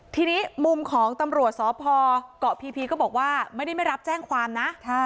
ทีนี้มุมของตำรวจสพเกาะพีก็บอกว่าไม่ได้ไม่รับแจ้งความนะ